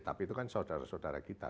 tapi itu kan saudara saudara kita